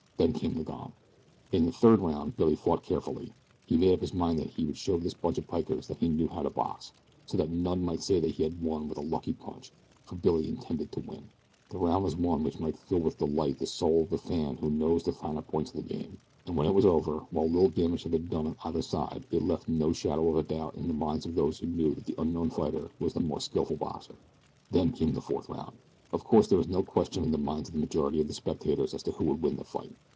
Then came the gong. In the third round Billy fought carefully. He had made up his mind that he would show this bunch of pikers that he knew how to box, so that none might say that he had won with a lucky punch, for Billy intended to win. The round was one which might fill with delight the soul of the fan who knows the finer points of the game. And when it was over, while little damage had been done on either side, it left no shadow of a doubt in the minds of those who knew that the unknown fighter was the more skilful boxer. Then came the fourth round. Of course there was no question in the minds of the majority of the spectators as to who would win the fight.